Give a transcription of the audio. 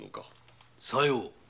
さよう。